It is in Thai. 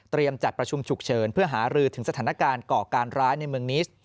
จัดประชุมฉุกเฉินเพื่อหารือถึงสถานการณ์ก่อการร้ายในเมืองนิส